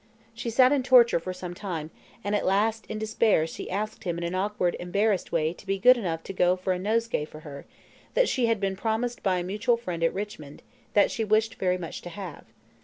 She sat in torture for some time, and at last in despair she asked him in an awkward embarrassed way to be good enough to go for a nosegay for her, that she had been promised by a mutual friend at Richmond, that she wished very much to have.